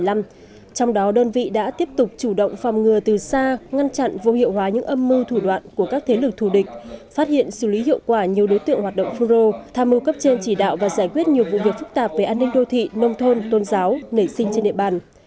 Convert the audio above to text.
trong đó đơn vị đã tiếp tục chủ động phòng ngừa từ xa ngăn chặn vô hiệu hóa những âm mưu thủ đoạn của các thế lực thù địch phát hiện xử lý hiệu quả nhiều đối tượng hoạt động phun rô tham mưu cấp trên chỉ đạo và giải quyết nhiều vụ việc phức tạp về an ninh đô thị nông thôn tôn giáo nảy sinh trên địa bàn